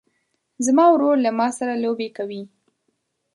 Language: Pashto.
زما ورور له ما سره لوبې کوي.